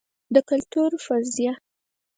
د کلتور فرضیه